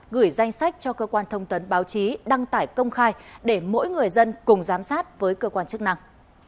gửi danh sách cho cơ quan thông tấn báo chí đăng tải công khai để mỗi người dân cùng giám sát với cơ quan chức năng